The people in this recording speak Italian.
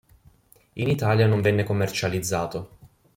In Italia non venne commercializzato.